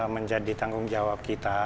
menjadi tanggung jawab kita